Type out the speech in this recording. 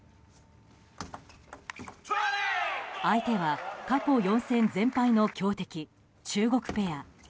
相手は過去４戦全敗の強敵中国ペア。